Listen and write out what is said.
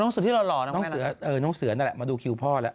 อ๋อน้องเสือที่หล่อน้องเสือนั่นแหละมาดูคิวพ่อแล้ว